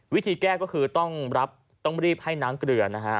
วิธีแก้ก็คือต้องรับต้องรีบให้น้ำเกลือนะฮะ